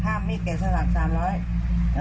ข้ามมิกเกจสนับ๓๐๐ตอนเนี่ย